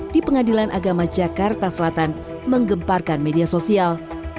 di pengadilan agama jakarta selatan menggemparkan media sosial